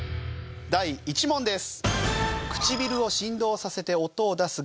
第１問です。